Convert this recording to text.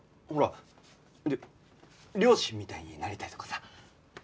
ほら「両親みたいになりたい」とかさ。